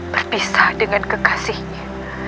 berpisah dengan kekasihnya